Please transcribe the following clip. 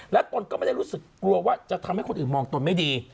ตนก็ไม่ได้รู้สึกกลัวว่าจะทำให้คนอื่นมองตนไม่ดี